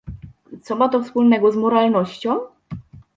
Co ma to wspólnego z moralnością?